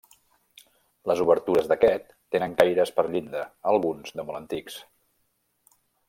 Les obertures d'aquest tenen caires per llinda, alguns de mot antics.